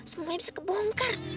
semuanya bisa kebongkar